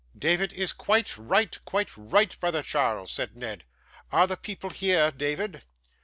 'David is quite right, quite right, brother Charles,' said Ned: 'are the people here, David?